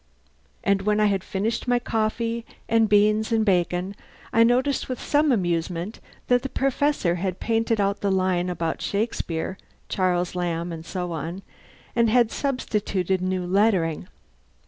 And when I had finished my coffee and beans and bacon I noticed with some amusement that the Professor had painted out the line about Shakespeare, Charles Lamb, and so on, and had substituted new lettering.